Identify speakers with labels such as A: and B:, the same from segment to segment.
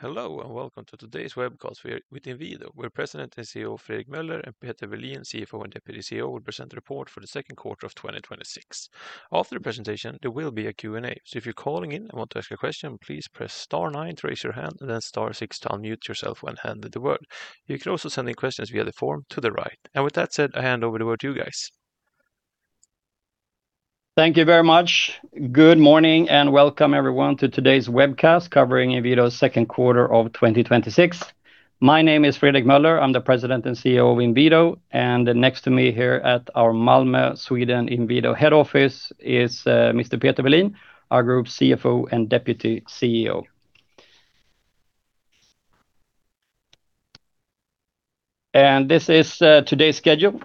A: Hello, welcome to today's webcast. We are with Inwido, where President and CEO Fredrik Meuller and Peter Welin, CFO and Deputy CEO, will present the report for the second quarter of 2026. After the presentation, there will be a Q&A. If you're calling in and want to ask a question, please press star nine to raise your hand, then star six to unmute yourself when handed the word. You can also send in questions via the form to the right. With that said, I hand over the word to you guys.
B: Thank you very much. Good morning, welcome everyone to today's webcast covering Inwido's second quarter of 2026. My name is Fredrik Meuller. I'm the President and CEO of Inwido, next to me here at our Malmö, Sweden Inwido head office is Mr. Peter Welin, our Group CFO and Deputy CEO. This is today's schedule.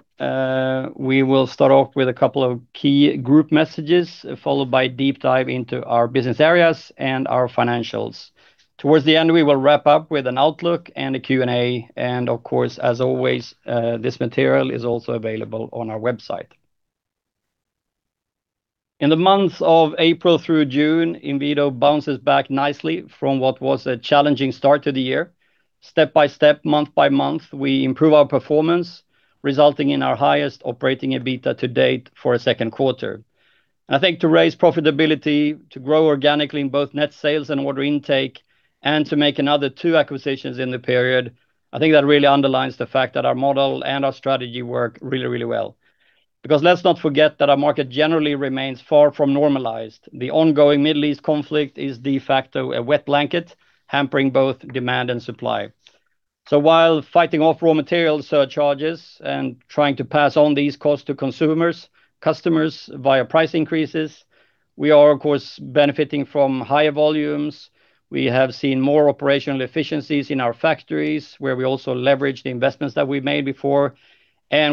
B: We will start off with a couple of key group messages, followed by a deep dive into our business areas and our financials. Towards the end, we will wrap up with an outlook and a Q&A. Of course, as always, this material is also available on our website. In the months of April through June, Inwido bounces back nicely from what was a challenging start to the year. Step by step, month by month, we improve our performance, resulting in our highest operating EBITA to date for a second quarter. I think to raise profitability, to grow organically in both net sales and order intake, to make another two acquisitions in the period, I think that really underlines the fact that our model and our strategy work really well. Because let's not forget that our market generally remains far from normalized. The ongoing Middle East conflict is de facto a wet blanket, hampering both demand and supply. While fighting off raw material surcharges and trying to pass on these costs to consumers, customers via price increases, we are of course benefiting from higher volumes. We have seen more operational efficiencies in our factories, where we also leverage the investments that we've made before,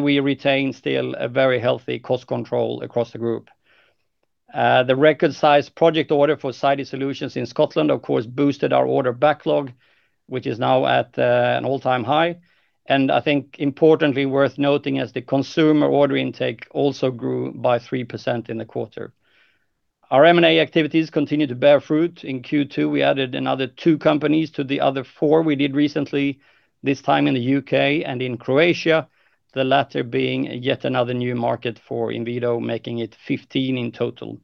B: we retain still a very healthy cost control across the group. The record size project order for Sidey Solutions in Scotland, of course, boosted our order backlog, which is now at an all-time high. I think importantly worth noting as the consumer order intake also grew by 3% in the quarter. Our M&A activities continue to bear fruit. In Q2, we added another two companies to the other four we did recently, this time in the U.K. and in Croatia, the latter being yet another new market for Inwido, making it 15 in total.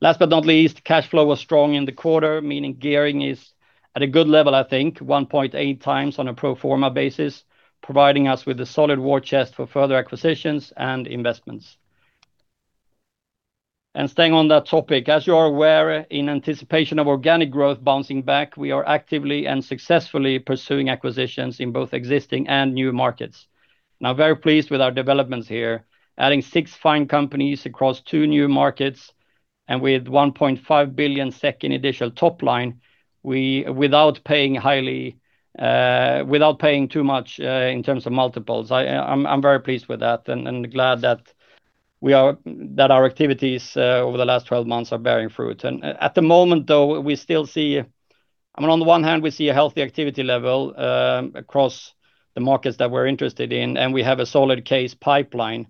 B: Last but not least, cash flow was strong in the quarter, meaning gearing is at a good level, I think, 1.8x on a pro forma basis, providing us with a solid war chest for further acquisitions and investments. Staying on that topic, as you are aware, in anticipation of organic growth bouncing back, we are actively and successfully pursuing acquisitions in both existing and new markets. Very pleased with our developments here, adding six fine companies across two new markets, and with 1.5 billion SEK in additional top line, without paying too much in terms of multiples. I am very pleased with that and glad that our activities over the last 12 months are bearing fruit. At the moment, though, on the one hand, we see a healthy activity level across the markets that we are interested in, and we have a solid case pipeline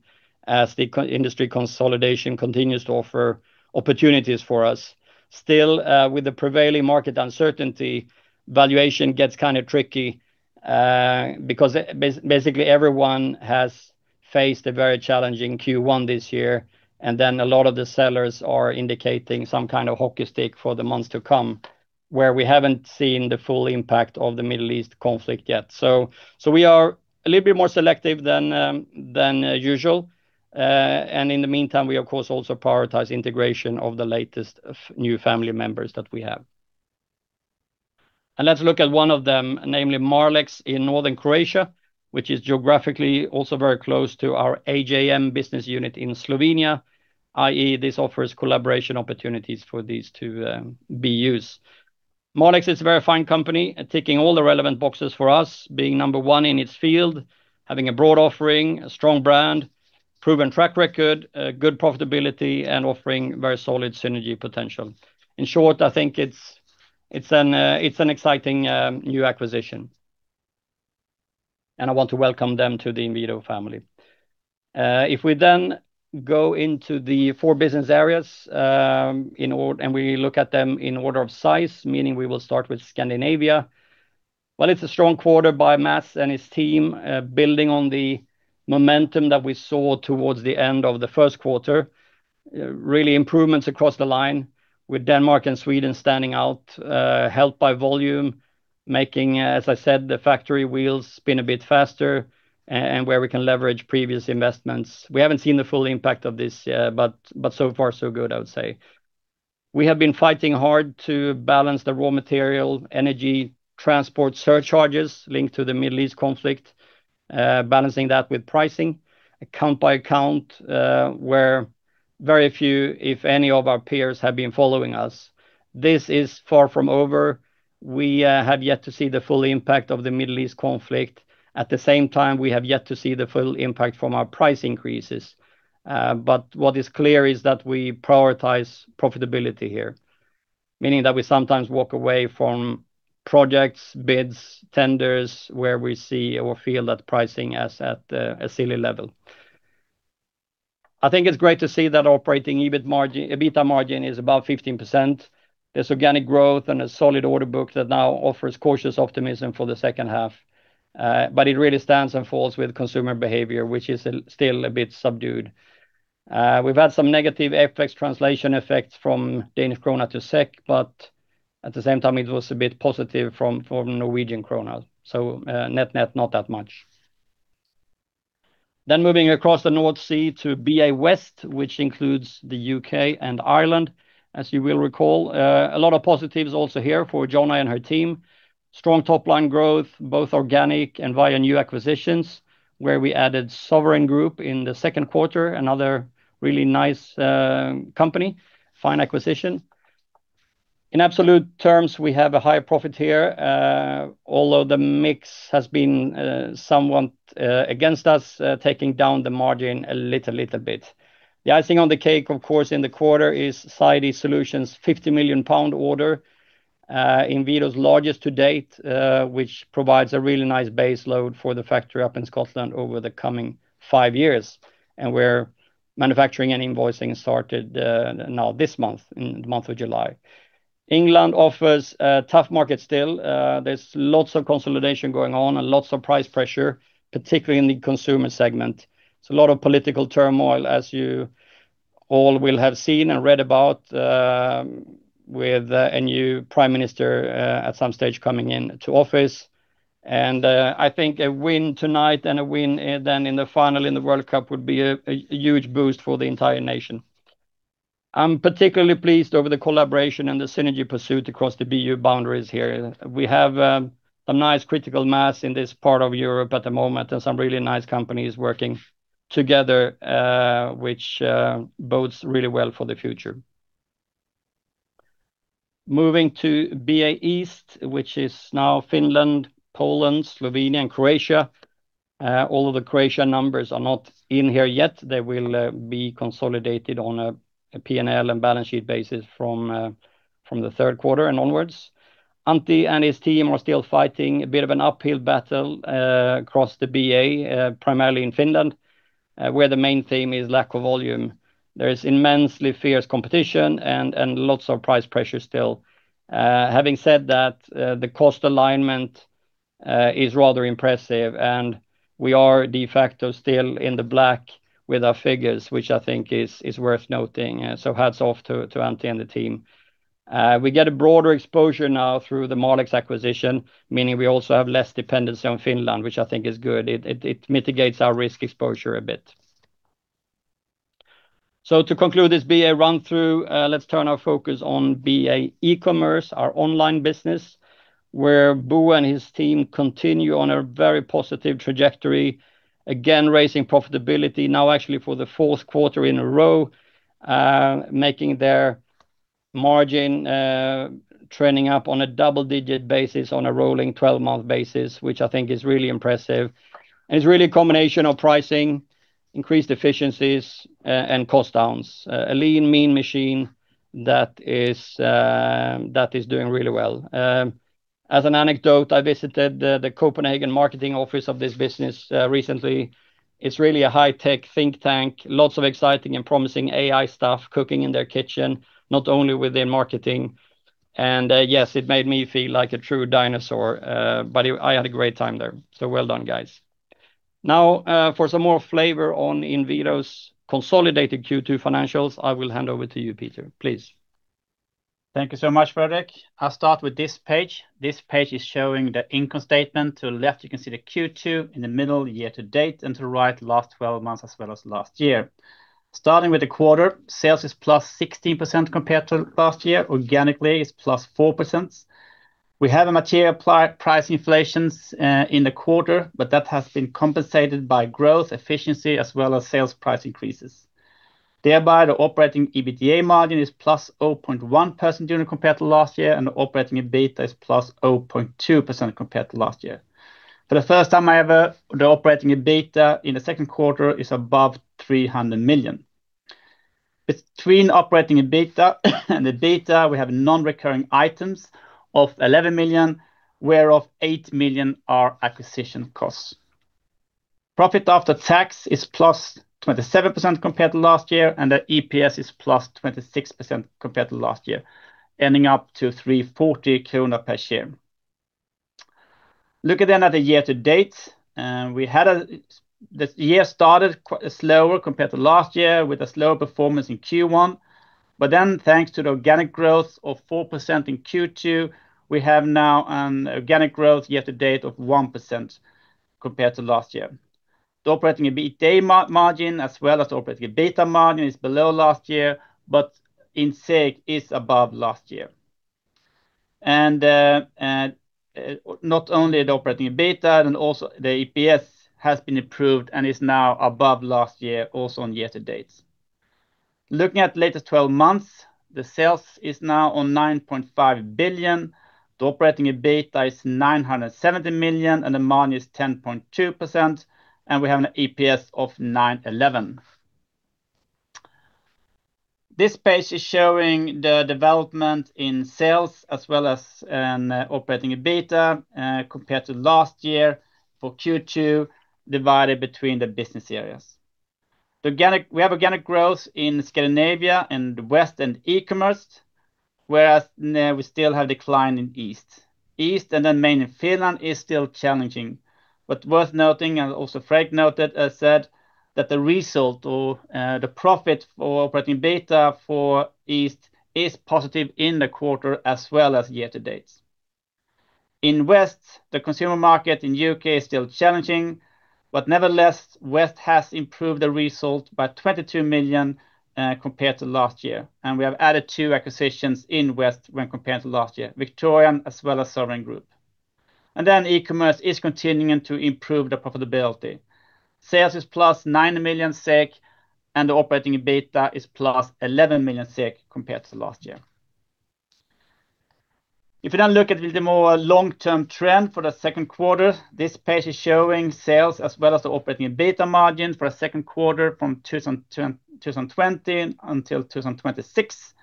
B: as the industry consolidation continues to offer opportunities for us. Still, with the prevailing market uncertainty, valuation gets kind of tricky, because basically everyone has faced a very challenging Q1 this year, then a lot of the sellers are indicating some kind of hockey stick for the months to come, where we have not seen the full impact of the Middle East conflict yet. We are a little bit more selective than usual. In the meantime, we of course also prioritize integration of the latest new family members that we have. Let's look at one of them, namely Marlex in northern Croatia, which is geographically also very close to our AJM business unit in Slovenia, i.e., this offers collaboration opportunities for these two BUs. Marlex is a very fine company, ticking all the relevant boxes for us, being number one in its field, having a broad offering, a strong brand, proven track record, good profitability, and offering very solid synergy potential. In short, I think it is an exciting new acquisition. I want to welcome them to the Inwido family. If we then go into the four Business Areas, we look at them in order of size, meaning we will start with Scandinavia. Well, it is a strong quarter by Mats and his team, building on the momentum that we saw towards the end of the first quarter. Really improvements across the line, with Denmark and Sweden standing out, helped by volume, making, as I said, the factory wheels spin a bit faster and where we can leverage previous investments. We have not seen the full impact of this, so far so good, I would say. We have been fighting hard to balance the raw material, energy, transport surcharges linked to the Middle East conflict, balancing that with pricing, account by account, where very few, if any of our peers have been following us. This is far from over. We have yet to see the full impact of the Middle East conflict. At the same time, we have yet to see the full impact from our price increases. What is clear is that we prioritize profitability here, meaning that we sometimes walk away from projects, bids, tenders, where we see or feel that pricing is at a silly level. I think it is great to see that operating EBITA margin is about 15%. There is organic growth and a solid order book that now offers cautious optimism for the second half. It really stands and falls with consumer behavior, which is still a bit subdued. We've had some negative FX translation effects from Danish krone to SEK, at the same time it was a bit positive from Norwegian kroner. Net-net, not that much. Moving across the North Sea to Business Area West, which includes the U.K. and Ireland, as you will recall. A lot of positives also here for Jonna and her team. Strong top-line growth, both organic and via new acquisitions, where we added Sovereign Group in the second quarter, another really nice company. Fine acquisition. In absolute terms, we have a higher profit here, although the mix has been somewhat against us, taking down the margin a little bit. The icing on the cake, of course, in the quarter is Sidey Solutions' 50 million pound order, Inwido's largest to date, which provides a really nice base load for the factory up in Scotland over the coming five years and where manufacturing and invoicing started this month, in the month of July. England offers a tough market still. There's lots of consolidation going on and lots of price pressure, particularly in the consumer segment. There's a lot of political turmoil as you all will have seen and read about, with a new prime minister at some stage coming into office. I think a win tonight and a win then in the final in the World Cup would be a huge boost for the entire nation. I'm particularly pleased over the collaboration and the synergy pursuit across the BU boundaries here. We have some nice critical mass in this part of Europe at the moment and some really nice companies working together, which bodes really well for the future. Moving to Business Area East, which is now Finland, Poland, Slovenia, and Croatia. Although the Croatia numbers are not in here yet, they will be consolidated on a P&L and balance sheet basis from the third quarter and onwards. Antti and his team are still fighting a bit of an uphill battle across the BA, primarily in Finland, where the main theme is lack of volume. There is immensely fierce competition and lots of price pressure still. Having said that, the cost alignment is rather impressive, and we are de facto still in the black with our figures, which I think is worth noting. Hats off to Antti and the team. We get a broader exposure now through the Marlex acquisition, meaning we also have less dependency on Finland, which I think is good. It mitigates our risk exposure a bit. To conclude this Business Area run-through, let's turn our focus on Business Area e-Commerce, our online business, where Bo and his team continue on a very positive trajectory, again raising profitability now actually for the fourth quarter in a row, making their margin trending up on a double-digit basis on a rolling 12-month basis, which I think is really impressive. It's really a combination of pricing, increased efficiencies, and cost downs. A lean, mean machine that is doing really well. As an anecdote, I visited the Copenhagen marketing office of this business recently. It's really a high-tech think tank. Lots of exciting and promising AI stuff cooking in their kitchen, not only within marketing. Yes, it made me feel like a true dinosaur, but I had a great time there. Well done, guys. For some more flavor on Inwido's consolidated Q2 financials, I will hand over to you, Peter, please.
C: Thank you so much, Fredrik. I'll start with this page. This page is showing the income statement. To the left, you can see the Q2, in the middle year-to-date, and to the right last 12 months as well as last year. Starting with the quarter, sales is +16% compared to last year. Organically, it's +4%. We have a material price inflations in the quarter, but that has been compensated by growth efficiency as well as sales price increases. Thereby, the operating EBITA margin is +0.1% compared to last year, and the operating EBITA is +0.2% compared to last year. For the first time ever, the operating EBITA in the second quarter is above 300 million. Between operating EBITA and the EBITA, we have non-recurring items of 11 million, whereof 8 million are acquisition costs. Profit after tax is +27% compared to last year, and the EPS is +26% compared to last year, ending up to 340 krona per share. Look at another year-to-date. The year started slower compared to last year with a slower performance in Q1. Thanks to the organic growth of 4% in Q2, we have now an organic growth year-to-date of 1% compared to last year. The operating EBITA margin is below last year, but in SEK is above last year. Not only the operating EBITA and also the EPS has been improved and is now above last year also on year-to-date. Looking at latest 12 months, the sales is now on 9.5 billion. The operating EBITA is 970 million and the margin is 10.2%, and we have an EPS of 911 million. This page is showing the development in sales as well as operating EBITA compared to last year for Q2, divided between the business areas. We have organic growth in Scandinavia and Business Area West and Business Area e-Commerce, whereas we still have decline in Business Area East. Business Area East and then mainly Finland is still challenging. Worth noting, Fred noted that the result or the profit for operating EBITA for Business Area East is positive in the quarter as well as year-to-date. In Business Area West, the consumer market in U.K. is still challenging, but nevertheless, Business Area West has improved the result by 22 million compared to last year, and we have added two acquisitions in Business Area West when compared to last year, Victorian Sliders as well as Sovereign Group. Business Area e-Commerce is continuing to improve the profitability. Sales is +9 million SEK and the operating EBITA is +11 million SEK compared to last year. If you look at a little more long-term trend for the second quarter, this page is showing sales as well as the operating EBITA margin for the second quarter from 2020 until 2026.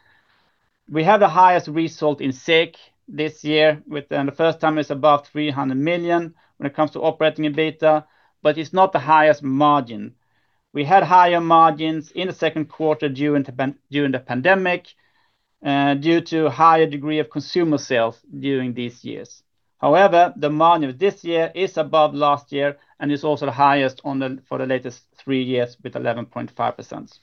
C: We have the highest result in SEK this year with the first time is above 300 million when it comes to operating EBITA, but it's not the highest margin. We had higher margins in the second quarter during the pandemic due to higher degree of consumer sales during these years. However, the margin this year is above last year and is also the highest for the latest three years with 11.5%.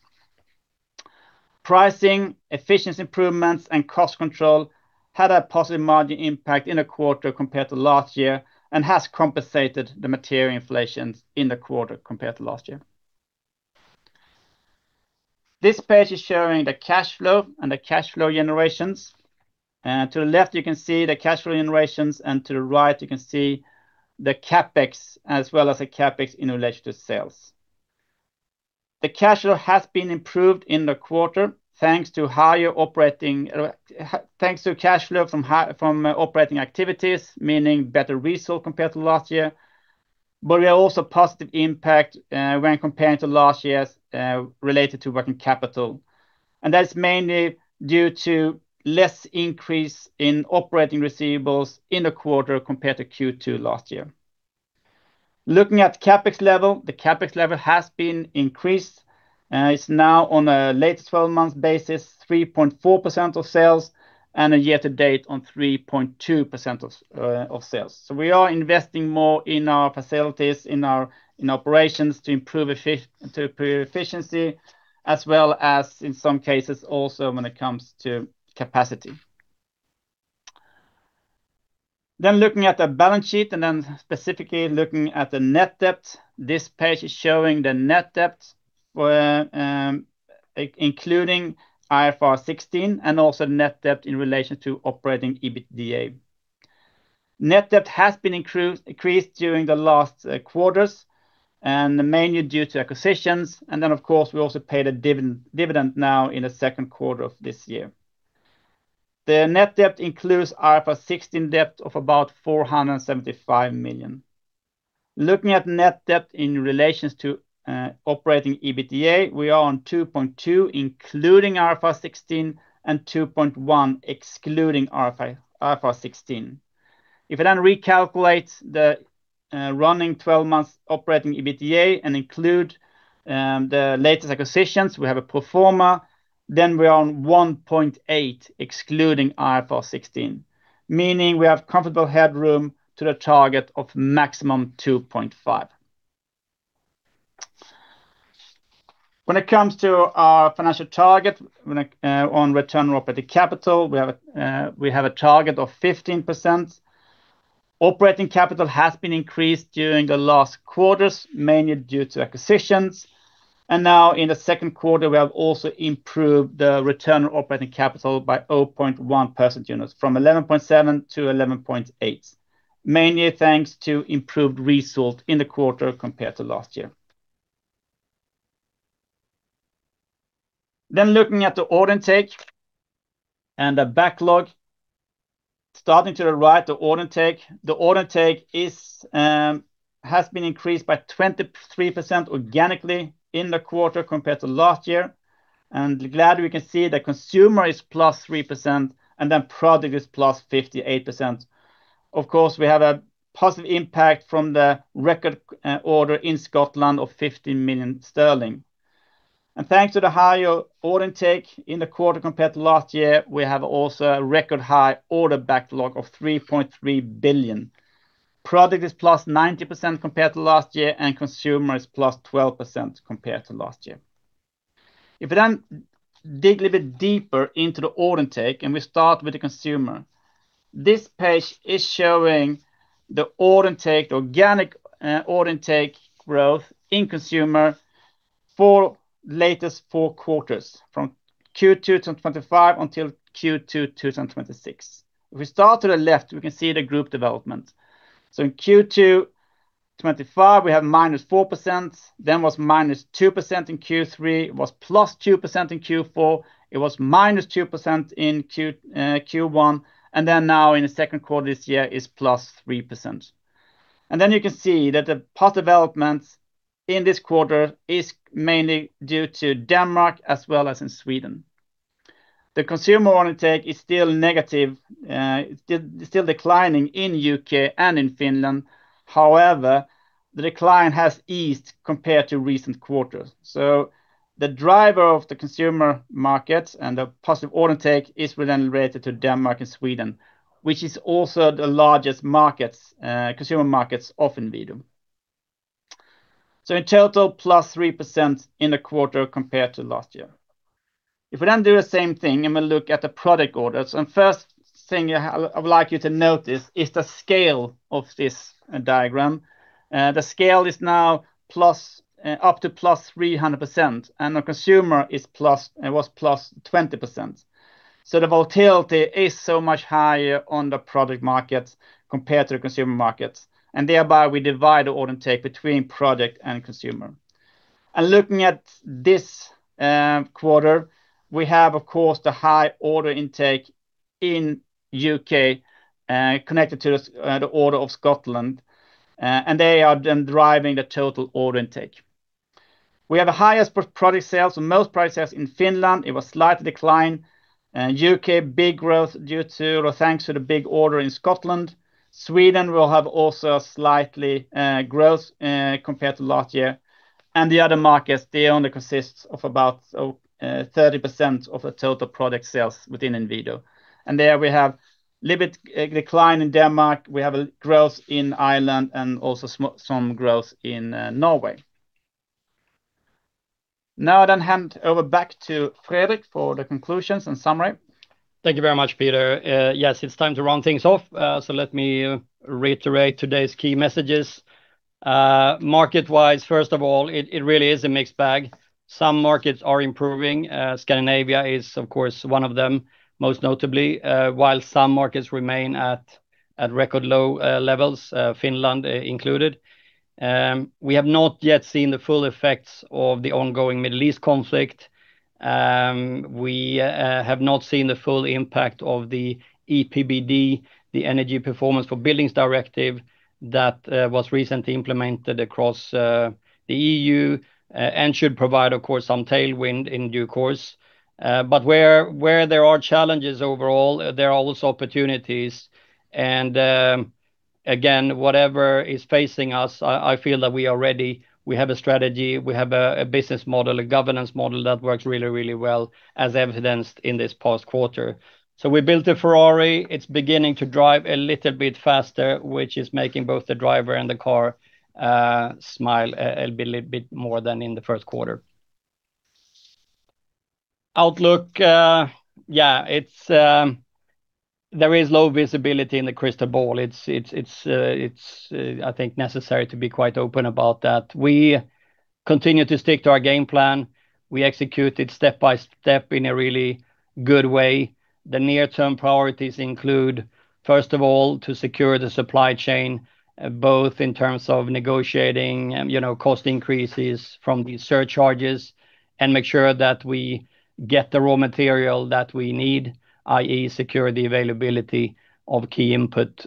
C: Pricing, efficiency improvements, and cost control had a positive margin impact in the quarter compared to last year and has compensated the material inflations in the quarter compared to last year. This page is showing the cash flow and the cash flow generations. To the left, you can see the cash flow generations and to the right you can see the CapEx as well as the CapEx in relation to sales. The cash flow has been improved in the quarter thanks to cash flow from operating activities, meaning better result compared to last year. We are also positive impact when comparing to last year's related to working capital. That is mainly due to less increase in operating receivables in the quarter compared to Q2 last year. Looking at CapEx level, it has been increased. It's now on a latest 12-months basis, 3.4% of sales and a year to date on 3.2% of sales. We are investing more in our facilities, in operations to improve efficiency as well as in some cases also when it comes to capacity. Looking at the balance sheet and then specifically looking at the net debt, this page is showing the net debt including IFRS 16 and also net debt in relation to operating EBITA. Net debt has been increased during the last quarters and mainly due to acquisitions. Then of course, we also paid a dividend now in the second quarter of this year. The net debt includes IFRS 16 debt of about 475 million. Looking at net debt in relation to operating EBITA, we are on 2.2 including IFRS 16 and 2.1 excluding IFRS 16. If you recalculate the running 12-months operating EBITA and include the latest acquisitions, we have a pro forma, we are on 1.8 excluding IFRS 16, meaning we have comfortable headroom to the target of maximum 2.5. When it comes to our financial target on return operating capital, we have a target of 15%. Operating capital has been increased during the last quarters, mainly due to acquisitions. Now in the second quarter, we have also improved the return operating capital by 0.1% units from 11.7%-11.8%, mainly thanks to improved result in the quarter compared to last year. Looking at the order take and the backlog, starting to the right, the order take. The order take has been increased by 23% organically in the quarter compared to last year. Glad we can see the consumer is plus 3% and then product is plus 58%. Of course, we have a positive impact from the record order in Scotland of 50 million sterling. Thanks to the higher order take in the quarter compared to last year, we have also a record high order backlog of 3.3 billion. Product is +90% compared to last year and consumer is +12% compared to last year. If you dig a little bit deeper into the order take, we start with the consumer. This page is showing the organic order intake growth in consumer for latest four quarters from Q2 2025 until Q2 2026. If we start to the left, we can see the group development. In Q2 2025, we have -4%, then was -2% in Q3, was +2% in Q4, it was -2% in Q1, and then now in the second quarter this year is +3%. You can see that the past developments in this quarter is mainly due to Denmark as well as in Sweden. The consumer order intake is still negative. It's still declining in U.K. and in Finland. However, the decline has eased compared to recent quarters. The driver of the consumer markets and the positive order intake is then related to Denmark and Sweden, which is also the largest consumer markets of Inwido. In total, +3% in the quarter compared to last year. If we do the same thing and we look at the product orders, first thing I would like you to notice is the scale of this diagram. The scale is now up to +300%, and the consumer was +20%. The volatility is so much higher on the product markets compared to the consumer markets, thereby we divide the order intake between product and consumer. Looking at this quarter, we have, of course, the high order intake in U.K., connected to the order of Scotland. They are then driving the total order intake. We have the highest product sales and most product sales in Finland. It was slight decline. U.K., big growth thanks to the big order in Scotland. Sweden will have also a slight growth compared to last year. The other markets, they only consist of about 30% of the total product sales within Inwido. There we have a little bit decline in Denmark, we have a growth in Ireland and also some growth in Norway. I then hand over back to Fredrik for the conclusions and summary.
B: Thank you very much, Peter. Yes, it's time to round things off. Let me reiterate today's key messages. Market-wise, first of all, it really is a mixed bag. Some markets are improving. Scandinavia is, of course, one of them, most notably, while some markets remain at record low levels, Finland included. We have not yet seen the full effects of the ongoing Middle East conflict. We have not seen the full impact of the EPBD, the Energy Performance of Buildings Directive that was recently implemented across the EU, should provide, of course, some tailwind in due course. Where there are challenges overall, there are also opportunities and, again, whatever is facing us, I feel that we are ready. We have a strategy, we have a business model, a governance model that works really well as evidenced in this past quarter. We built a Ferrari. It's beginning to drive a little bit faster, which is making both the driver and the car smile a little bit more than in the first quarter. Outlook. There is low visibility in the crystal ball. It's, I think, necessary to be quite open about that. We continue to stick to our game plan. We execute it step by step in a really good way. The near-term priorities include, first of all, to secure the supply chain, both in terms of negotiating cost increases from these surcharges and make sure that we get the raw material that we need, i.e. security availability of key input.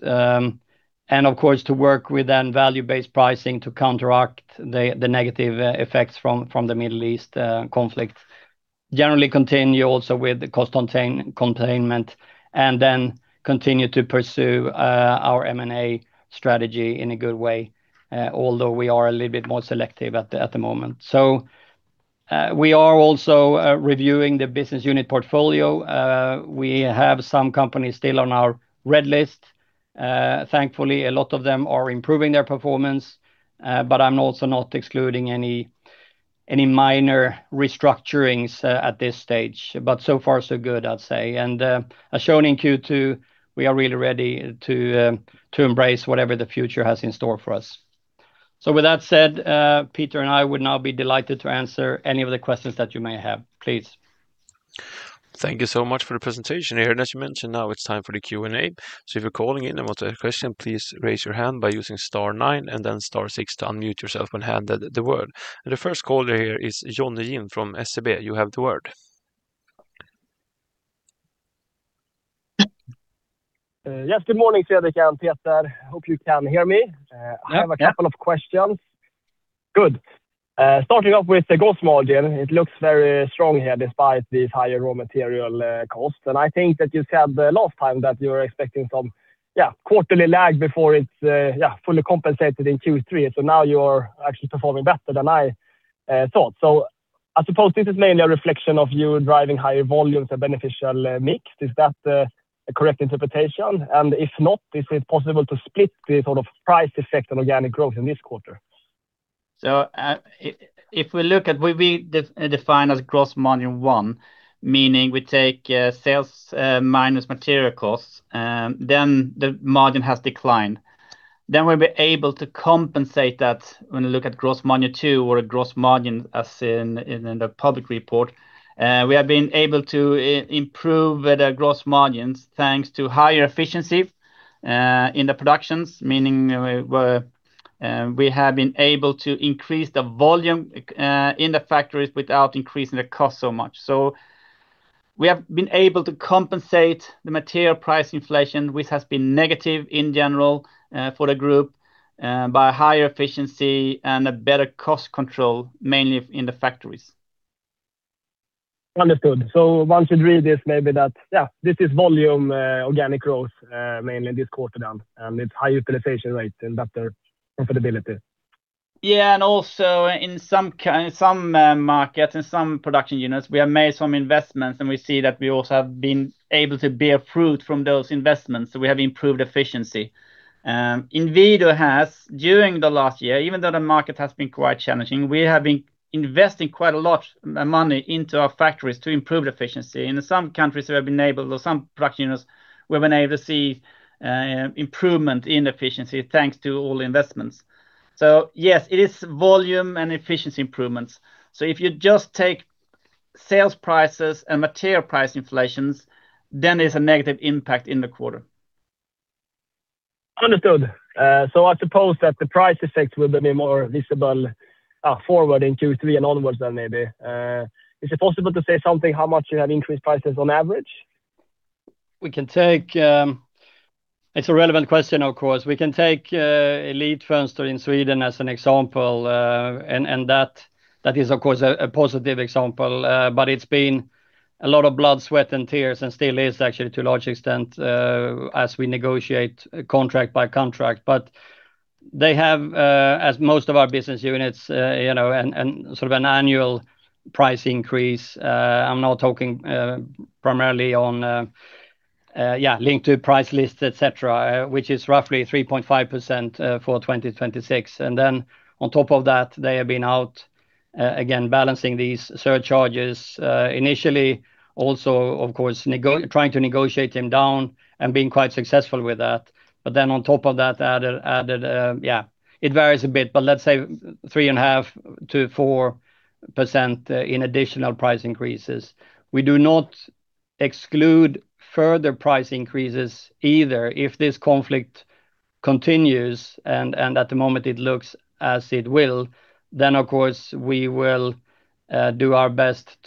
B: Of course, to work with then value-based pricing to counteract the negative effects from the Middle East conflict. Generally continue also with the cost containment and then continue to pursue our M&A strategy in a good way. Although we are a little bit more selective at the moment. We are also reviewing the business unit portfolio. We have some companies still on our red list. Thankfully, a lot of them are improving their performance. I'm also not excluding any minor restructurings at this stage. So far so good, I'd say. As shown in Q2, we are really ready to embrace whatever the future has in store for us. With that said, Peter and I would now be delighted to answer any of the questions that you may have. Please.
A: Thank you so much for the presentation here. As you mentioned, now it's time for the Q&A. If you're calling in and want to ask a question, please raise your hand by using star nine and then star six to unmute yourself when handed the word. The first caller here is Jonny Jin from SEB. You have the word.
D: Yes, good morning, Fredrik and Peter. Hope you can hear me.
B: Yeah.
D: I have a couple of questions.
B: Good.
D: Starting off with the gross margin, it looks very strong here despite these higher raw material costs. I think that you said the last time that you were expecting some quarterly lag before it's fully compensated in Q3. Now you're actually performing better than I thought. I suppose this is mainly a reflection of you driving higher volumes, a beneficial mix. Is that the correct interpretation? If not, is it possible to split the sort of price effect on organic growth in this quarter?
C: If we look at what we define as gross margin 1, meaning we take sales minus material costs, the margin has declined. We'll be able to compensate that when we look at gross margin two or gross margin as in the public report. We have been able to improve the gross margins thanks to higher efficiency in the productions, meaning we have been able to increase the volume in the factories without increasing the cost so much. We have been able to compensate the material price inflation, which has been negative in general for the group by higher efficiency and a better cost control, mainly in the factories.
D: Understood. One should read this maybe that, this is volume organic growth, mainly this quarter down, and it's high utilization rate and better profitability.
C: Yeah. Also in some markets, in some production units, we have made some investments and we see that we also have been able to bear fruit from those investments. We have improved efficiency. Inwido has, during the last year, even though the market has been quite challenging, we have been investing quite a lot of money into our factories to improve efficiency. In some countries we have been able to, or some production units, we've been able to see improvement in efficiency thanks to all investments. Yes, it is volume and efficiency improvements. If you just take sales prices and material price inflations, then there's a negative impact in the quarter.
D: Understood. I suppose that the price effect will be more visible forward in Q3 and onwards then maybe. Is it possible to say something how much you have increased prices on average?
B: It's a relevant question, of course. We can take Elitfönster in Sweden as an example. That is of course a positive example. It's been a lot of blood, sweat and tears and still is actually to a large extent as we negotiate contract by contract. They have as most of our business units, and sort of an annual price increase. I'm now talking primarily on link to price list, et cetera, which is roughly 3.5% for 2026. Then on top of that, they have been out again balancing these surcharges initially also, of course, trying to negotiate them down and being quite successful with that. Then on top of that added, it varies a bit, but let's say 3.5%-4% in additional price increases. We do not exclude further price increases either. If this conflict continues and at the moment it looks as it will, of course we will do our best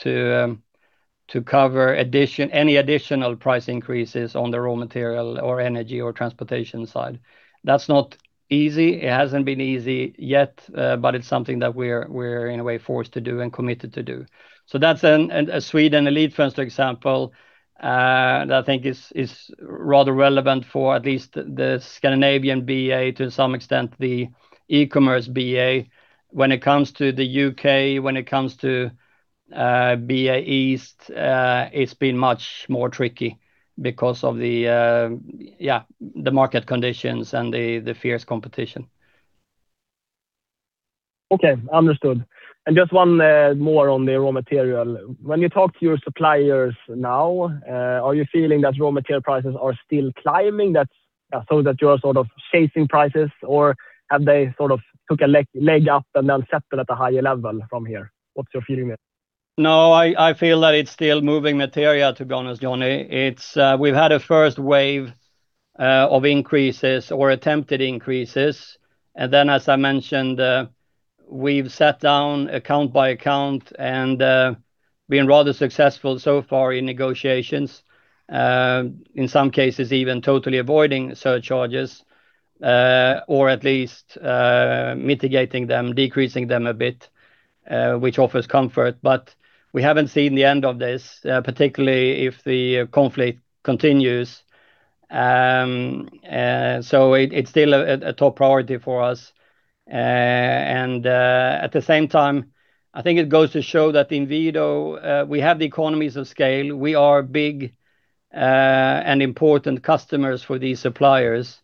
B: to cover any additional price increases on the raw material or energy or transportation side. That's not easy. It hasn't been easy yet. It's something that we're in a way, forced to do and committed to do. That's a Sweden Elitfönster example, that I think is rather relevant for at least the Scandinavian BA to some extent, the e-Commerce BA when it comes to the U.K., when it comes to BA East, it's been much more tricky because of the market conditions and the fierce competition.
D: Okay, understood. Just one more on the raw material. When you talk to your suppliers now, are you feeling that raw material prices are still climbing that so that you're sort of chasing prices? Or have they sort of took a leg up and settle at a higher level from here? What's your feeling there?
B: No, I feel that it's still moving material, to be honest, Jonny. We've had a first wave of increases or attempted increases, as I mentioned, we've sat down account by account and been rather successful so far in negotiations. In some cases even totally avoiding surcharges or at least mitigating them, decreasing them a bit, which offers comfort. We haven't seen the end of this, particularly if the conflict continues. It's still a top priority for us. At the same time, I think it goes to show that Inwido we have the economies of scale. We are big and important customers for these suppliers,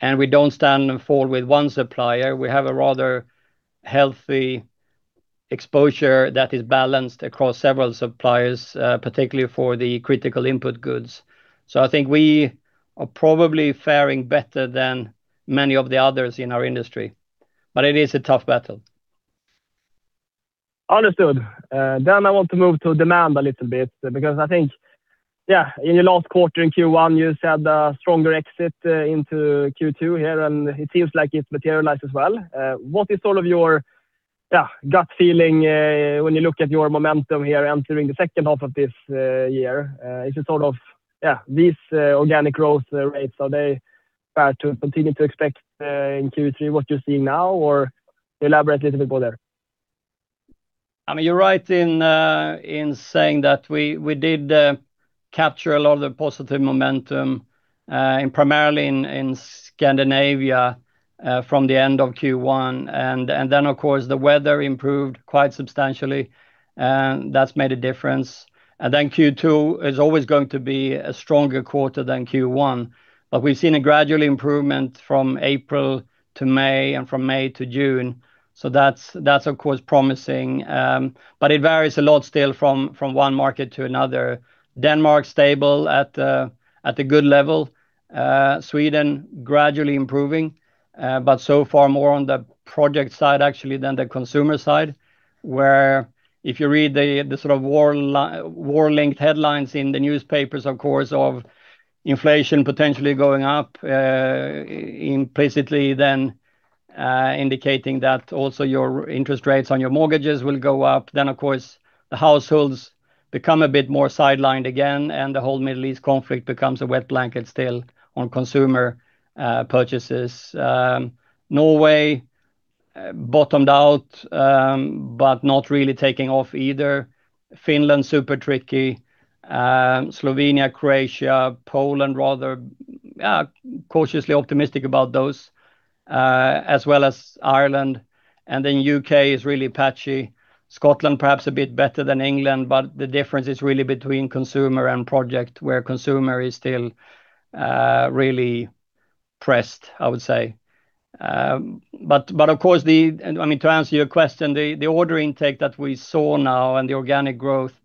B: and we don't stand and fall with one supplier. We have a rather healthy exposure that is balanced across several suppliers, particularly for the critical input goods. I think we are probably faring better than many of the others in our industry, it is a tough battle.
D: Understood. I want to move to demand a little bit because I think, yeah, in your last quarter in Q1, you said a stronger exit into Q2 here, and it seems like it materialized as well. What is sort of your gut feeling when you look at your momentum here entering the second half of this year? It's a sort of these organic growth rates, are they fair to continue to expect in Q3 what you're seeing now or elaborate a little bit more there?
B: You're right in saying that we did capture a lot of the positive momentum, primarily in Scandinavia from the end of Q1. Of course the weather improved quite substantially and that's made a difference. Q2 is always going to be a stronger quarter than Q1, but we've seen a gradual improvement from April to May and from May to June. That's of course promising. It varies a lot still from one market to another. Denmark stable at a good level. Sweden gradually improving. So far more on the project side actually than the consumer side, where if you read the sort of war-like headlines in the newspapers, of course, of inflation potentially going up implicitly then indicating that also your interest rates on your mortgages will go up. Of course, the households become a bit more sidelined again, and the whole Middle East conflict becomes a wet blanket still on consumer purchases. Norway bottomed out but not really taking off either. Finland, super tricky. Slovenia, Croatia, Poland, rather cautiously optimistic about those, as well as Ireland. U.K. is really patchy. Scotland perhaps a bit better than England, but the difference is really between consumer and project, where consumer is still really pressed, I would say. Of course, to answer your question, the order intake that we saw now and the organic growth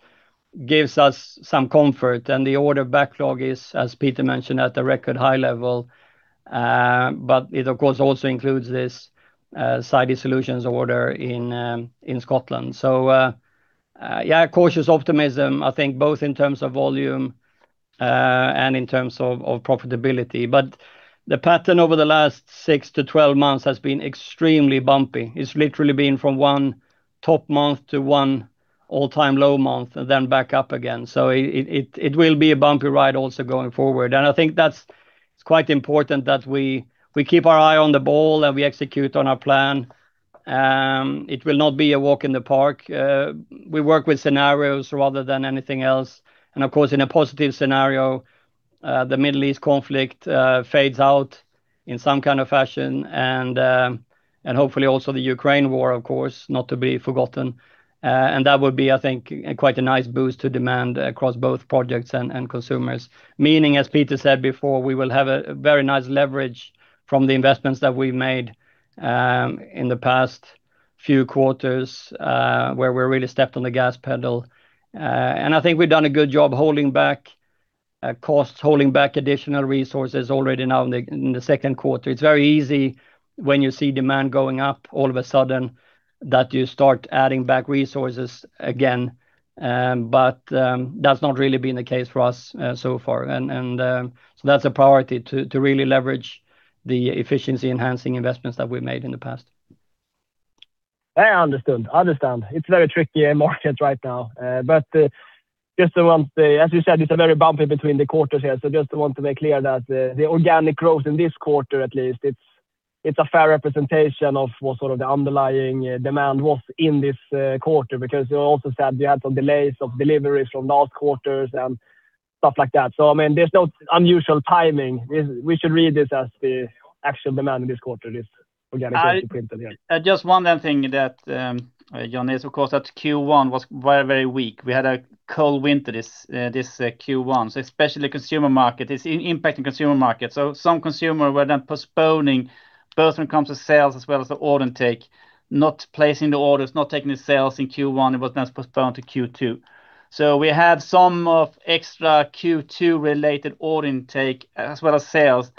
B: gives us some comfort. The order backlog is, as Peter mentioned, at a record high level. It, of course, also includes this Sidey Solutions order in Scotland. Yeah, cautious optimism, I think both in terms of volume and in terms of profitability. The pattern over the last six to 12 months has been extremely bumpy. It's literally been from one top month to one all-time low month, then back up again. It will be a bumpy ride also going forward. I think that it's quite important that we keep our eye on the ball and we execute on our plan. It will not be a walk in the park. We work with scenarios rather than anything else. Of course, in a positive scenario, the Middle East conflict fades out in some kind of fashion and hopefully also the Ukraine war, of course, not to be forgotten. That would be, I think, quite a nice boost to demand across both projects and consumers. Meaning, as Peter said before, we will have a very nice leverage from the investments that we've made in the past few quarters, where we really stepped on the gas pedal. I think we've done a good job holding back costs, holding back additional resources already now in the second quarter. It's very easy when you see demand going up all of a sudden that you start adding back resources again. That's not really been the case for us so far. That's a priority to really leverage the efficiency-enhancing investments that we've made in the past.
D: I understand. It's a very tricky market right now. As you said, it's very bumpy between the quarters here. Just want to make clear that the organic growth in this quarter, at least it's a fair representation of what sort of the underlying demand was in this quarter, because you also said you had some delays of deliveries from last quarters and stuff like that. I mean, there's no unusual timing. We should read this as the actual demand in this quarter, this organic growth you printed here.
C: Just one other thing that, Jonny, is, of course, that Q1 was very weak. We had a cold winter this Q1, so especially consumer market. It's impacting consumer market. Some consumer were then postponing both when it comes to sales as well as the order intake, not placing the orders, not taking the sales in Q1. It was then postponed to Q2. We had some of extra Q2 related order intake as well as sales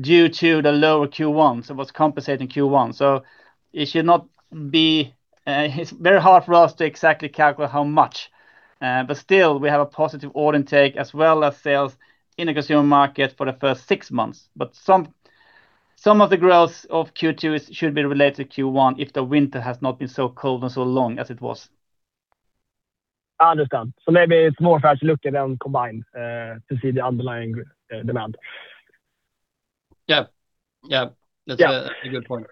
C: due to the lower Q1. It was compensating Q1. It's very hard for us to exactly calculate how much. Still we have a positive order intake as well as sales in the consumer market for the first six months. Some of the growth of Q2 should be related to Q1 if the winter has not been so cold and so long as it was.
D: I understand. Maybe it's more fair to look at them combined to see the underlying demand.
C: Yeah. That's a good point.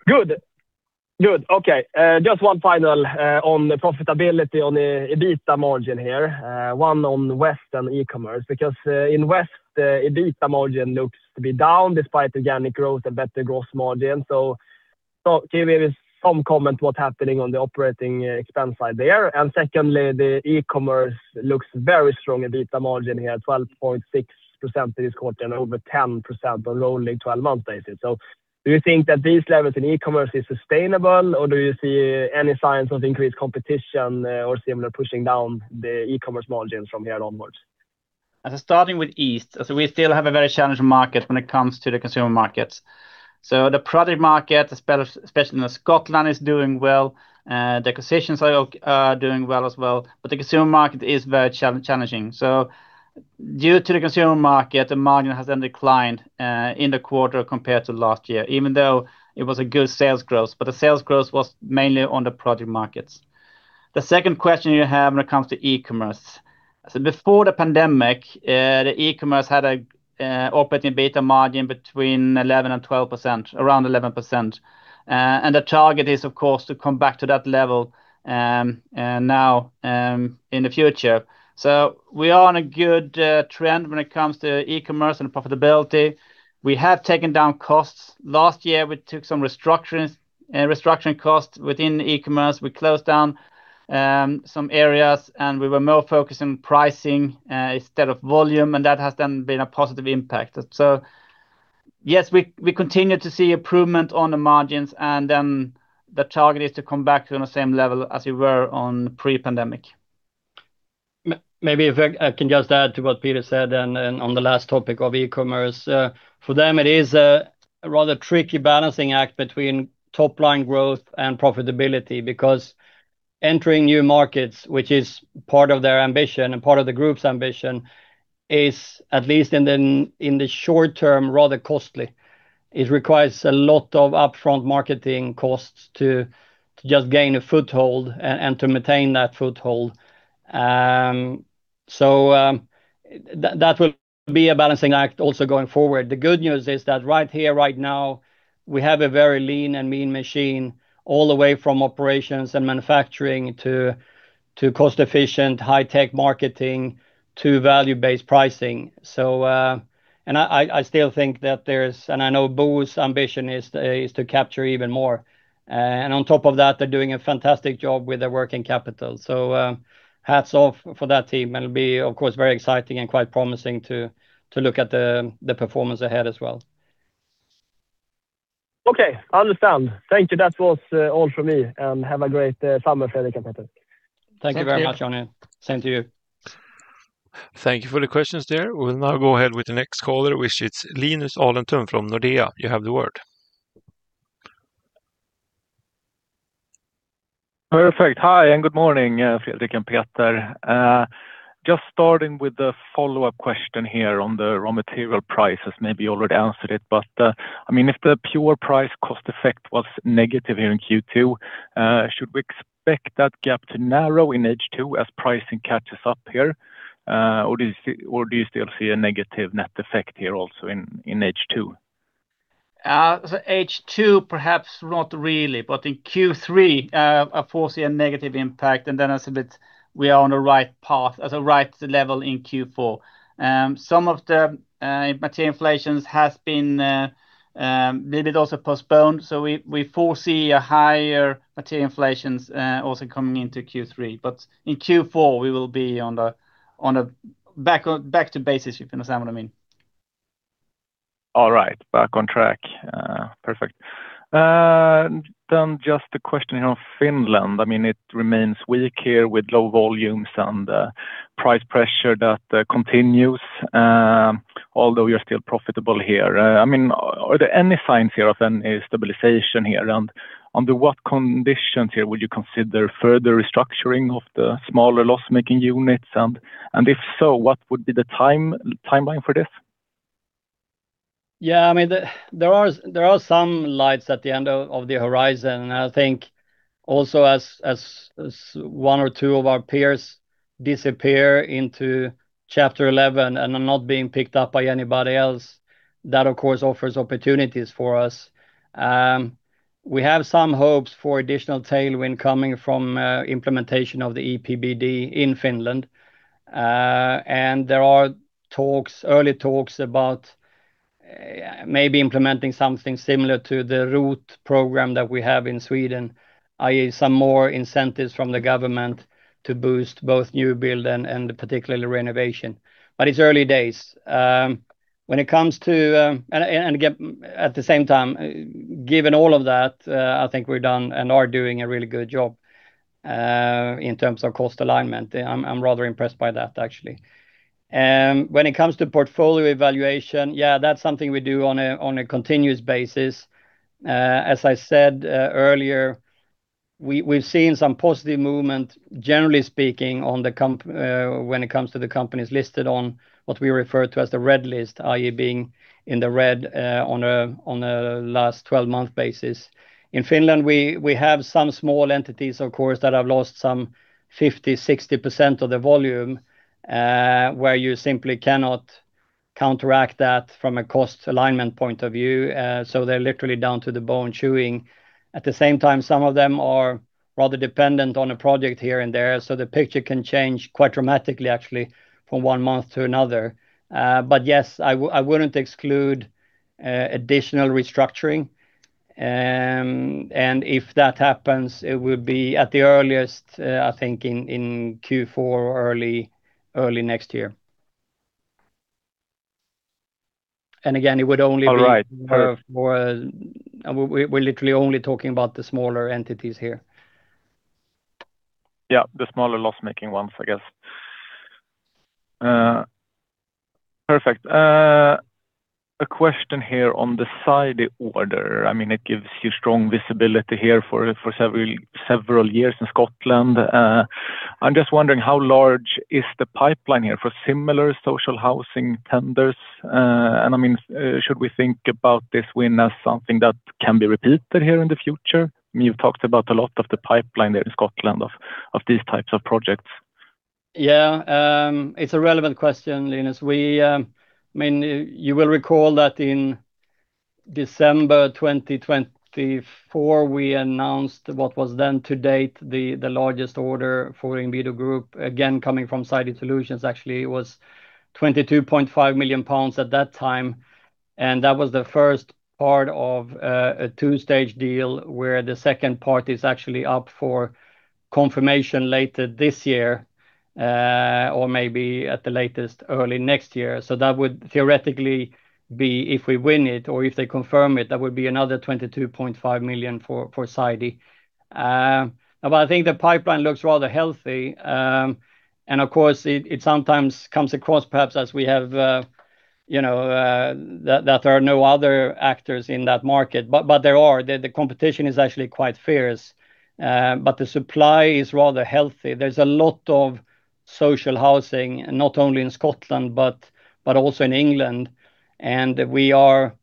D: Good. Okay. Just one final on the profitability on the EBITA margin here. One on West and e-Commerce, because in West, the EBITA margin looks to be down despite organic growth and better gross margin. Give me some comment what's happening on the operating expense side there. Secondly, the e-Commerce looks very strong EBITA margin here, 12.6% this quarter and over 10% on rolling 12 months basis. Do you think that these levels in e-Commerce is sustainable, or do you see any signs of increased competition or similar pushing down the e-Commerce margins from here onwards?
C: Starting with East, we still have a very challenging market when it comes to the consumer markets. The product market, especially in Scotland, is doing well. The acquisition side are doing well as well. The consumer market is very challenging. Due to the consumer market, the margin has declined in the quarter compared to last year, even though it was a good sales growth. The sales growth was mainly on the project markets. The second question you have when it comes to e-Commerce, before the pandemic, the e-Commerce had an operating EBITA margin between 11% and 12%, around 11%. The target is, of course, to come back to that level now in the future. We are on a good trend when it comes to e-Commerce and profitability. We have taken down costs. Last year, we took some restructuring costs within e-Commerce. We closed down some areas, we were more focused on pricing instead of volume, and that has been a positive impact. Yes, we continue to see improvement on the margins, the target is to come back to the same level as we were on pre-pandemic.
B: Maybe if I can just add to what Peter said and on the last topic of e-Commerce. For them, it is a rather tricky balancing act between top-line growth and profitability because entering new markets, which is part of their ambition and part of the group's ambition, is, at least in the short term, rather costly. It requires a lot of upfront marketing costs to just gain a foothold and to maintain that foothold. That will be a balancing act also going forward. The good news is that right here, right now, we have a very lean and mean machine all the way from operations and manufacturing to cost-efficient, high-tech marketing to value-based pricing. I still think that there's, and I know Bo's ambition is to capture even more. On top of that, they're doing a fantastic job with their working capital. Hats off for that team. It'll be, of course, very exciting and quite promising to look at the performance ahead as well.
D: Okay. Understand. Thank you. That was all from me. Have a great summer, Fredrik and Peter.
B: Thank you very much, Jonny. Same to you.
A: Thank you for the questions there. We will now go ahead with the next caller, which is Linus Alentun from Nordea. You have the word.
E: Perfect. Hi, good morning, Fredrik and Peter. Just starting with the follow-up question here on the raw material prices. Maybe you already answered it, but if the pure price cost effect was negative here in Q2, should we expect that gap to narrow in H2 as pricing catches up here? Do you still see a negative net effect here also in H2?
C: H2, perhaps not really, in Q3, I foresee a negative impact, then I submit we are on the right path as a right level in Q4. Some of the material inflations has been a little bit also postponed. We foresee a higher material inflations also coming into Q3. In Q4, we will be back to basics, if you understand what I mean.
E: All right. Back on track. Perfect. Just a question here on Finland. It remains weak here with low volumes and price pressure that continues, although you're still profitable here. Are there any signs here of any stabilization here? Under what conditions here would you consider further restructuring of the smaller loss-making units? If so, what would be the timeline for this?
B: Yeah. There are some lights at the end of the horizon. I think also as one or two of our peers disappear into Chapter 11 and are not being picked up by anybody else, that of course offers opportunities for us. We have some hopes for additional tailwind coming from implementation of the EPBD in Finland. There are early talks about maybe implementing something similar to the ROT program that we have in Sweden, i.e. some more incentives from the government to boost both new build and particularly renovation. It's early days. At the same time, given all of that, I think we've done and are doing a really good job in terms of cost alignment. I'm rather impressed by that, actually. When it comes to portfolio evaluation, yeah, that's something we do on a continuous basis. As I said earlier, we've seen some positive movement, generally speaking, when it comes to the companies listed on what we refer to as the red list, i.e. being in the red on a last 12-month basis. In Finland, we have some small entities, of course, that have lost some 50%, 60% of the volume, where you simply cannot counteract that from a cost alignment point of view. They're literally down to the bone chewing. At the same time, some of them are rather dependent on a project here and there, the picture can change quite dramatically, actually, from one month to another. Yes, I wouldn't exclude additional restructuring. If that happens, it will be at the earliest, I think, in Q4 or early next year. Again, it would only be-
E: All right. Perfect.
B: We're literally only talking about the smaller entities here.
E: Yeah, the smaller loss-making ones, I guess. Perfect. A question here on the Sidey order. It gives you strong visibility here for several years in Scotland. I'm just wondering how large is the pipeline here for similar social housing tenders? Should we think about this win as something that can be repeated here in the future? You've talked about a lot of the pipeline there in Scotland of these types of projects.
B: Yeah. It's a relevant question, Linus. You will recall that in December 2024, we announced what was then to date the largest order for Inwido Group, again, coming from Sidey Solutions, actually, it was 22.5 million pounds at that time, and that was the first part of a two-stage deal where the second part is actually up for confirmation later this year, or maybe at the latest early next year. That would theoretically be if we win it or if they confirm it, that would be another 22.5 million for Sidey. I think the pipeline looks rather healthy. Of course, it sometimes comes across perhaps as we have that there are no other actors in that market. There are. The competition is actually quite fierce, but the supply is rather healthy. There's a lot of social housing, not only in Scotland but also in England. We are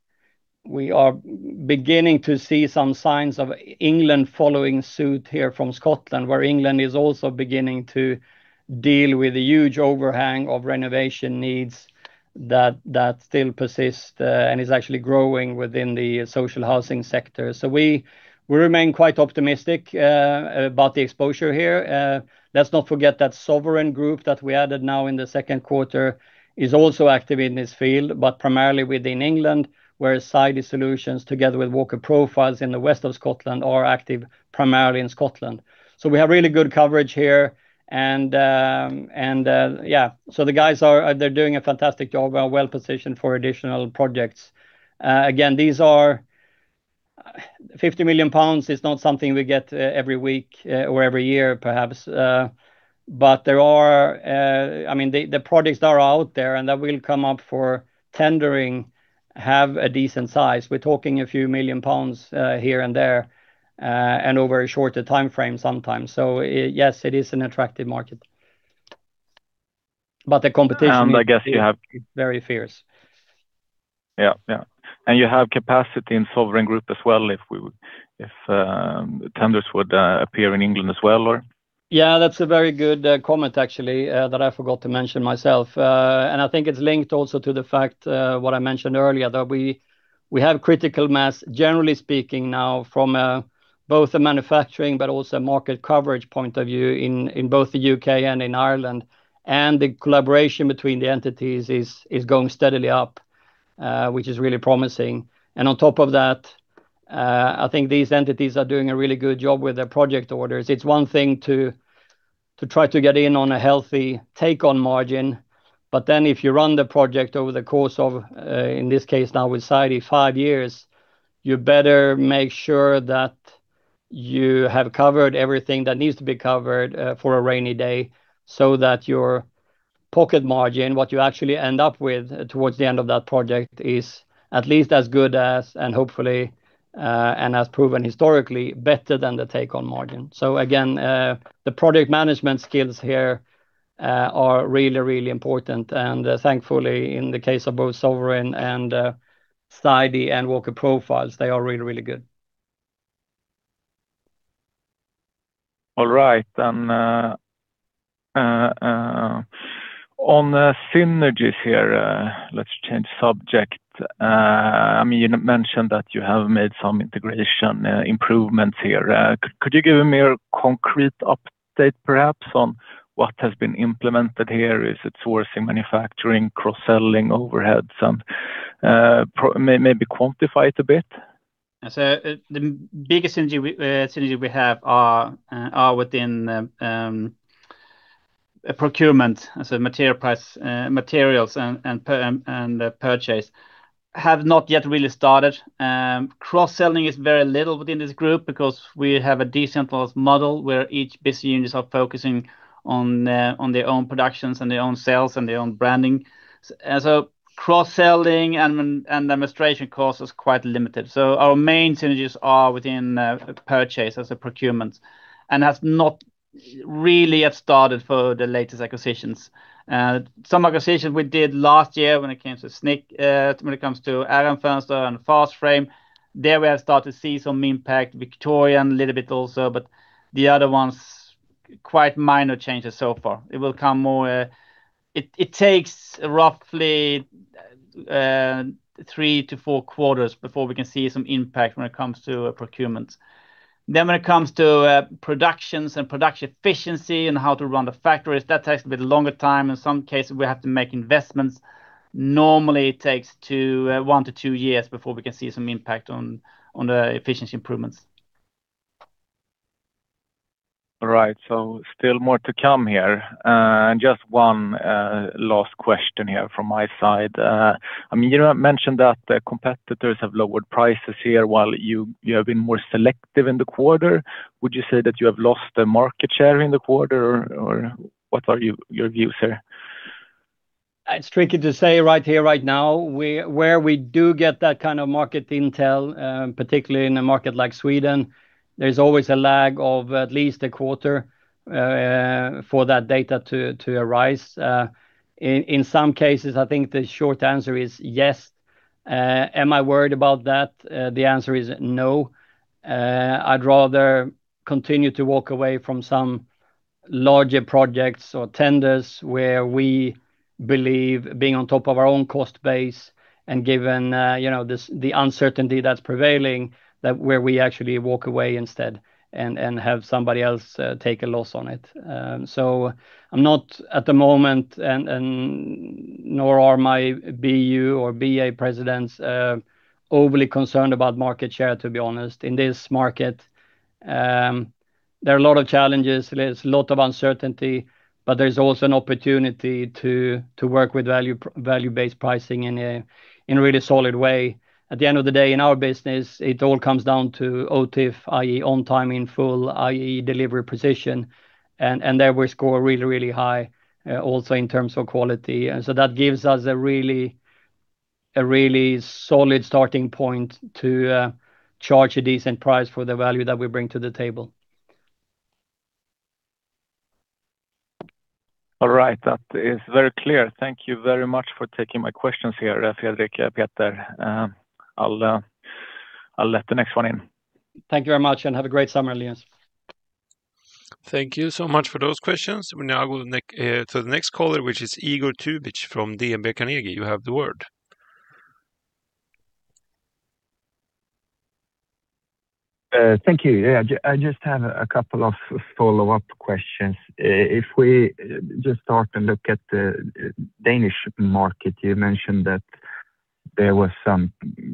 B: beginning to see some signs of England following suit here from Scotland, where England is also beginning to deal with the huge overhang of renovation needs that still persist and is actually growing within the social housing sector. We remain quite optimistic about the exposure here. Let's not forget that Sovereign Group that we added now in the second quarter is also active in this field, but primarily within England, where Sidey Solutions, together with Walker Profiles in the west of Scotland, are active primarily in Scotland. We have really good coverage here and, yeah, the guys are doing a fantastic job. We are well-positioned for additional projects. Again, 50 million pounds is not something we get every week or every year perhaps. The projects that are out there and that will come up for tendering have a decent size. We're talking a few million GBP here and there, and over a shorter timeframe sometimes. Yes, it is an attractive market. The competition is very fierce.
E: Yeah. You have capacity in Sovereign Group as well if tenders would appear in England as well?
B: Yeah, that's a very good comment actually, that I forgot to mention myself. I think it's linked also to the fact what I mentioned earlier, that we have critical mass, generally speaking now from both a manufacturing but also a market coverage point of view in both the U.K. and in Ireland. The collaboration between the entities is going steadily up, which is really promising. On top of that, I think these entities are doing a really good job with their project orders. It's one thing to try to get in on a healthy take-on margin, if you run the project over the course of, in this case now with Sidey, five years, you better make sure that you have covered everything that needs to be covered for a rainy day so that your pocket margin, what you actually end up with towards the end of that project, is at least as good as, and hopefully, and as proven historically, better than the take-on margin. Again, the project management skills here are really, really important. Thankfully, in the case of both Sovereign and Sidey and Walker Profiles, they are really, really good.
E: All right. On synergies here, let's change subject. You mentioned that you have made some integration improvements here. Could you give a more concrete update perhaps on what has been implemented here? Is it sourcing, manufacturing, cross-selling, overheads? Maybe quantify it a bit.
C: The biggest synergy we have are within procurement. Material price, materials, and purchase have not yet really started. Cross-selling is very little within this group because we have a decentralized model where each business units are focusing on their own productions and their own sales and their own branding. Cross-selling and demonstration cost is quite limited. Our main synergies are within purchase as a procurement and has not really yet started for the latest acquisitions. Some acquisitions we did last year when it comes to Aron Fönster and Fast Frame, there we have started to see some impact. Victorian a little bit also, but the other ones, quite minor changes so far. It takes roughly three to four quarters before we can see some impact when it comes to procurements.
B: When it comes to productions and production efficiency and how to run the factories, that takes a bit longer time. In some cases, we have to make investments. Normally, it takes one to two years before we can see some impact on the efficiency improvements.
E: All right. Still more to come here. Just one last question here from my side. You mentioned that the competitors have lowered prices here while you have been more selective in the quarter. Would you say that you have lost the market share in the quarter, or what are your views here?
B: It's tricky to say right here, right now. Where we do get that kind of market intel, particularly in a market like Sweden, there's always a lag of at least a quarter for that data to arise. In some cases, I think the short answer is yes. Am I worried about that? The answer is no. I'd rather continue to walk away from some larger projects or tenders where we believe being on top of our own cost base and given the uncertainty that's prevailing, that where we actually walk away instead and have somebody else take a loss on it. I'm not at the moment and nor are my BU or BA presidents overly concerned about market share, to be honest. In this market, there are a lot of challenges. There's a lot of uncertainty, but there's also an opportunity to work with value-based pricing in a really solid way. At the end of the day, in our business, it all comes down to OTIF, i.e. on time in full, i.e. delivery precision, and there we score really, really high also in terms of quality. That gives us a really A really solid starting point to charge a decent price for the value that we bring to the table.
E: All right. That is very clear. Thank you very much for taking my questions here, Fredrik, Peter. I'll let the next one in.
B: Thank you very much, have a great summer, Linus.
A: Thank you so much for those questions. I will go to the next caller, which is Igor Tubic from DNB Carnegie. You have the word.
F: Thank you. I just have a couple of follow-up questions. If we just start to look at the Danish market, you mentioned that there was some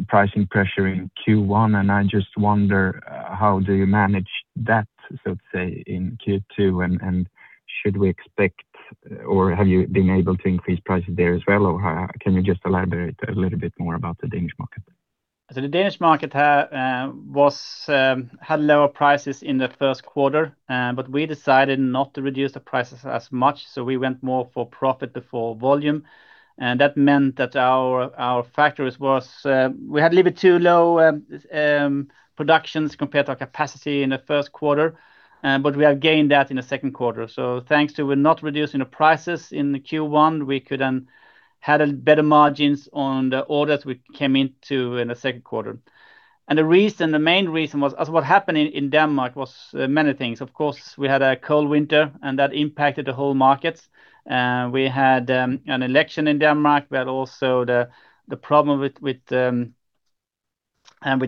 F: pricing pressure in Q1. I just wonder how do you manage that, so to say, in Q2. Should we expect, or have you been able to increase prices there as well, or can you just elaborate a little bit more about the Danish market?
C: The Danish market had lower prices in the first quarter. We decided not to reduce the prices as much, so we went more for profit before volume. That meant that our factories, we had a little bit too low productions compared to our capacity in the first quarter. We have gained that in the second quarter. Thanks to not reducing the prices in the Q1, we could then have better margins on the orders we came into in the second quarter. The main reason was what happened in Denmark was many things. Of course, we had a cold winter and that impacted the whole markets. We had an election in Denmark, we had also the problem with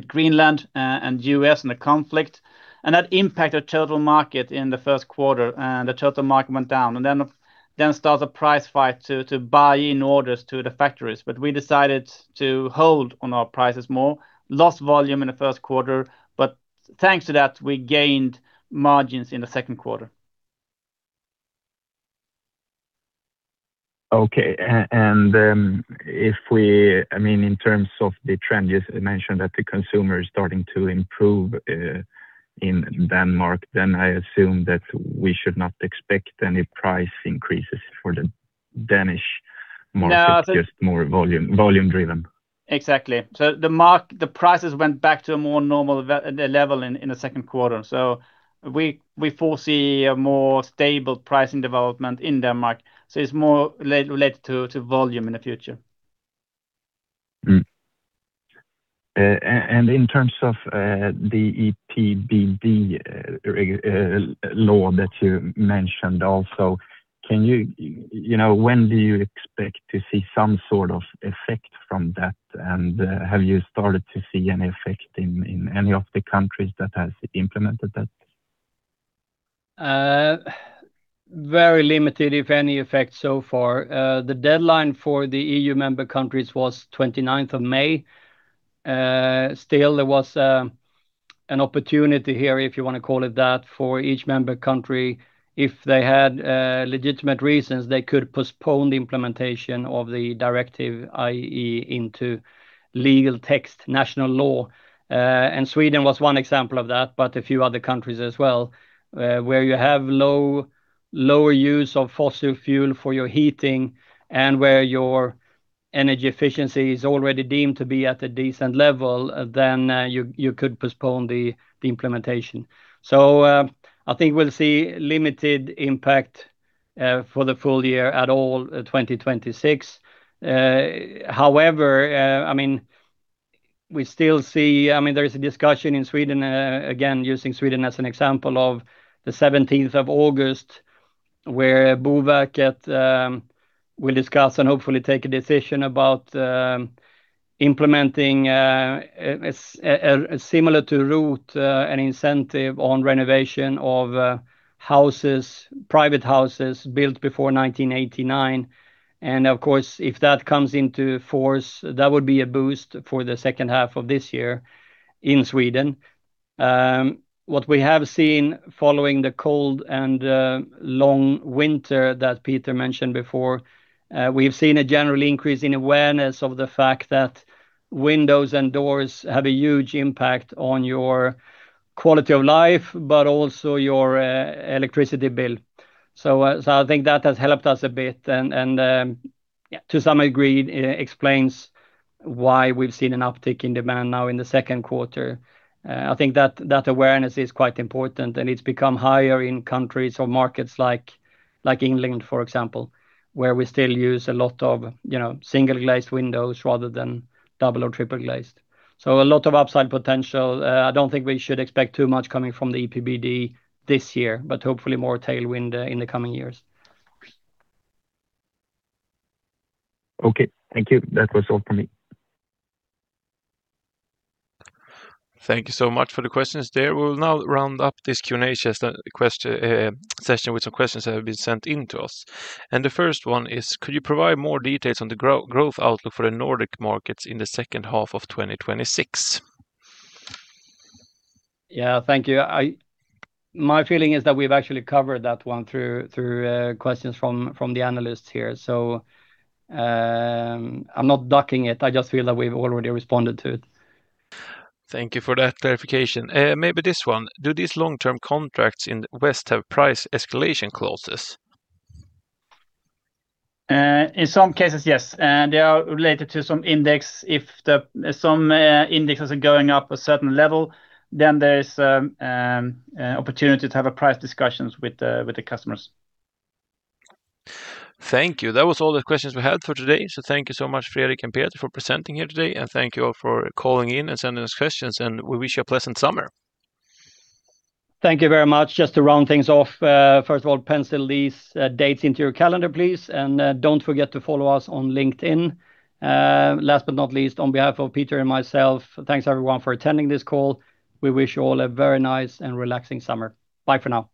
C: Greenland and U.S. and the conflict. That impacted the total market in the first quarter. The total market went down, then started a price fight to buy in orders to the factories. We decided to hold on our prices more, lost volume in the first quarter. Thanks to that, we gained margins in the second quarter.
F: Okay. In terms of the trend, you mentioned that the consumer is starting to improve in Denmark, I assume that we should not expect any price increases for the Danish market.
C: No
F: It's just more volume-driven.
B: Exactly. The prices went back to a more normal level in the second quarter. We foresee a more stable pricing development in Denmark. It's more related to volume in the future.
F: In terms of the EPBD law that you mentioned also, when do you expect to see some sort of effect from that? Have you started to see any effect in any of the countries that has implemented that?
B: Very limited, if any effect so far. The deadline for the EU member countries was 29th of May. Still, there was an opportunity here, if you want to call it that, for each member country. If they had legitimate reasons, they could postpone the implementation of the directive, i.e., into legal text, national law. Sweden was one example of that, but a few other countries as well, where you have lower use of fossil fuel for your heating and where your energy efficiency is already deemed to be at a decent level, then you could postpone the implementation. I think we'll see limited impact for the full year at all 2026. However, there is a discussion in Sweden, again, using Sweden as an example of the 17th of August, where Boverket will discuss and hopefully take a decision about implementing similar to ROT an incentive on renovation of private houses built before 1989. Of course, if that comes into force, that would be a boost for the second half of this year in Sweden. What we have seen following the cold and long winter that Peter mentioned before, we've seen a general increase in awareness of the fact that windows and doors have a huge impact on your quality of life, but also your electricity bill. I think that has helped us a bit and to some degree explains why we've seen an uptick in demand now in the second quarter. I think that awareness is quite important, and it's become higher in countries or markets like England, for example, where we still use a lot of single-glazed windows rather than double or triple glazed. A lot of upside potential. I don't think we should expect too much coming from the EPBD this year, but hopefully more tailwind in the coming years.
F: Okay. Thank you. That was all for me.
A: Thank you so much for the questions there. We'll now round up this Q&A session with some questions that have been sent in to us. The first one is, could you provide more details on the growth outlook for the Nordic markets in the second half of 2026?
C: Yeah. Thank you. My feeling is that we've actually covered that one through questions from the analysts here. I'm not ducking it. I just feel that we've already responded to it.
A: Thank you for that clarification. Maybe this one. Do these long-term contracts in the West have price escalation clauses?
C: In some cases, yes. They are related to some index. If some indexes are going up a certain level, then there is opportunity to have a price discussions with the customers.
A: Thank you. That was all the questions we had for today. Thank you so much, Fredrik and Peter, for presenting here today. Thank you all for calling in and sending us questions. We wish you a pleasant summer.
B: Thank you very much. Just to round things off, first of all, pencil these dates into your calendar, please. Don't forget to follow us on LinkedIn. Last but not least, on behalf of Peter and myself, thanks, everyone, for attending this call. We wish you all a very nice and relaxing summer. Bye for now